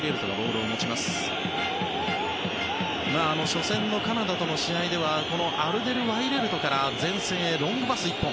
初戦のカナダとの試合ではアルデルワイレルトから前線へロングパス一本。